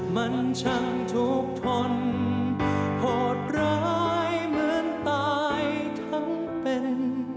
มันช่างถูกทนโหดร้ายเหมือนตายทั้งเป็น